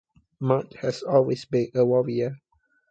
Mark had always been a worrier.